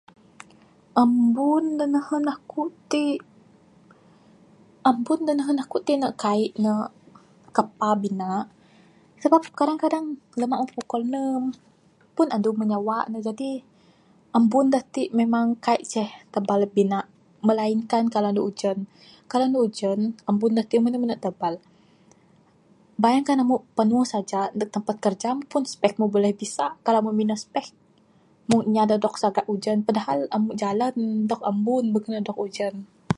Ambun da nehen aku ti ambun da nehen aku ti kaik ne kapa bina sebab kadang kadang pukul enem pun adeh mah nyawa ne jadi ambun da ati memang kaik ceh tabal bina melainkan kalau anu ujan. Kalau anu ujan, ambun ne ti mene mene tabal. Bayangkan amu neg tampat kraja mu pun spec mu buleh bisa kalau mu minan spec meng inya da dog sagak ujan padahal amu jalan dog ambun beken dog ujan.